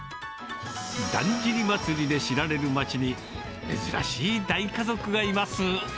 だんじり祭りで知られる街に、珍しい大家族がいます。